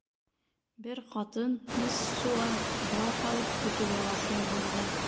Бер ҡатын — Мессуа — яр һалып көтөүгә ҡаршы йүгерҙе: